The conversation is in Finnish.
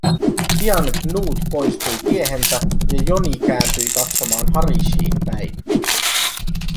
Pian Knut poistui tiehensä ja Joni kääntyi katsomaan Harishiin päin.